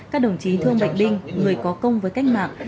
các đồng chí thương bệnh binh người có công với cách mạng